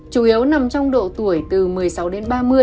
chủ yếu nằm trong độ tuổi từ một mươi sáu đến ba mươi